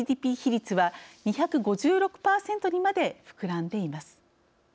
ＧＤＰ比率は２５６％にまで膨らんでいます。